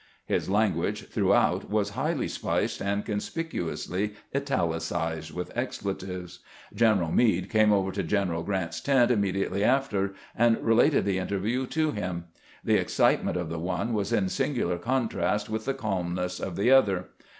His language throughout was highly spiced and conspicuously italicized with expletives. G eneral Meade came over to General Grant's tent immediately after, and related the interview to him. The excitement of the one was in singular contrast with the calmness of the other.